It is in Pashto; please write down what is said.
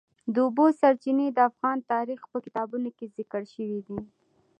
د اوبو سرچینې د افغان تاریخ په کتابونو کې ذکر شوی دي.